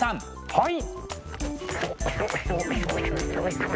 はい！